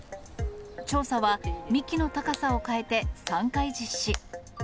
調査は幹の高さを変えて、３回実施。